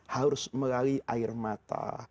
harus melalui air mata